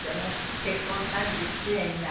結婚３７年になる。